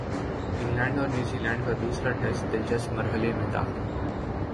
England اور New Zealand دوسرا test دلچسپ مرحلے میں داخل